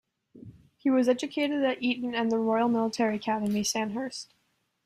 He was educated at Eton and the Royal Military Academy, Sandhurst.